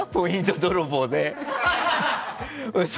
泥棒でさ